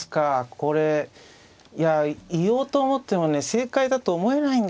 これいや言おうと思ってもね正解だと思えないんですよね。